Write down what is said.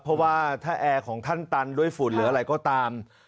เพราะว่าถ้าแอร์ของท่านตันด้วยฝุ่นหรืออะไรก็ตาม